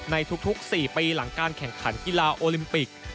ในทุก๔ปีหลังการแข่งขันกีฬาโอลิมปิก